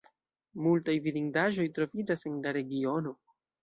Multaj vidindaĵoj troviĝas en la regiono.